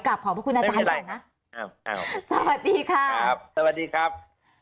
กลับขอบพระคุณอาจารย์ก่อนนะสวัสดีค่ะสวัสดีครับครับสวัสดีครับ